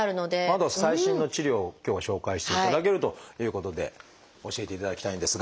あとは最新の治療を今日は紹介していただけるということで教えていただきたいんですが。